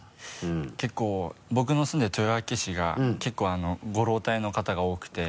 結構僕の住んでる豊明市が結構ご老体の方が多くて。